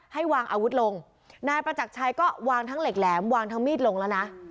ให้วางอาวุธลงนายประจักรชัยก็วางทั้งเหล็กแหลมวางทั้งมีดลงแล้วนะ